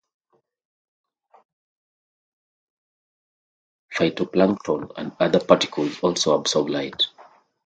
Phytoplankton and other particles also absorb light.